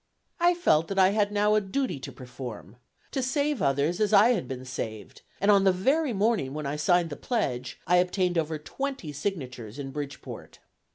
I felt that I had now a duty to perform, to save others, as I had been saved, and on the very morning when I signed the pledge, I obtained over twenty signatures in Bridgeport.